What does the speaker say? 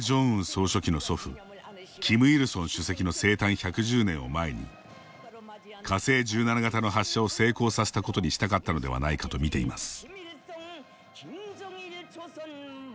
総書記の祖父キム・イルソン主席の生誕１１０年を前に火星１７型の発射を成功させたことにしたかったのではないかと見ています。